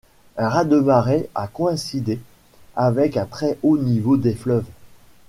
Un raz-de-marée a coïncidé avec un très haut niveau des fleuves.